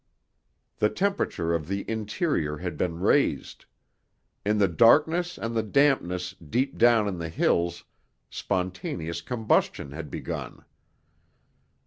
The temperature of the interior had been raised. In the darkness and the dampness deep down in the hills, spontaneous combustion had begun.